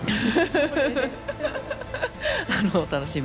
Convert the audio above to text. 楽しみに。